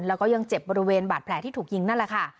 แล้วก็ยังเจ็บบริเวณบาดแผลที่ถูกยิงนั่นแหละค่ะ